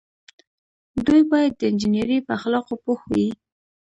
دوی باید د انجنیری په اخلاقو پوه وي.